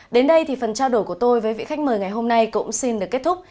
đến đây thì phần trao đổi của tôi với vị khách mời ngày hôm nay cũng xin được kết thúc